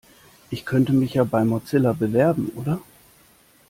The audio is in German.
Ich könnte mich ja bei Mozilla bewerben, oder?